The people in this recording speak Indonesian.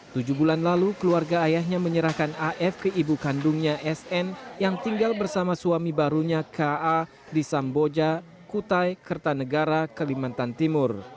tujuh bulan lalu keluarga ayahnya menyerahkan af ke ibu kandungnya sn yang tinggal bersama suami barunya ka di samboja kutai kertanegara kalimantan timur